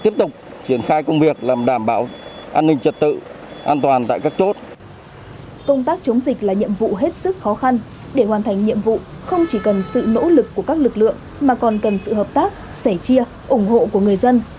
mà còn cần sự hợp tác sẻ chia ủng hộ của người dân